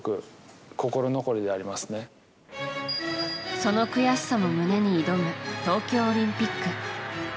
その悔しさも胸に挑む東京オリンピック。